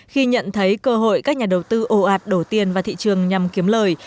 khi nhận thấy cơ hội các nhà đầu tư ồ ạt đổ tiền vào thị trường nhằm kiếm lời